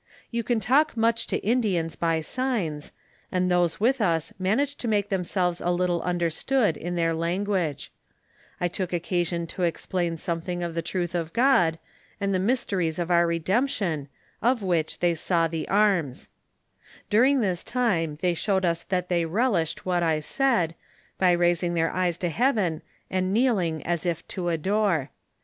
You can talk much to Indians by signs, and those with us managed to make themselves a little under stood in their language. I took occasion to explain some iro NARUATIVB OF FATIIKB MEMBRK. III I: I* if ;!!■; in thing of tho trntli of God, nnd the mysteries of our redemp tion, of which they saw the ftnns. During this time they showed that they relished what I said, by raising their eyes to heaven, and kneeling as if to adore.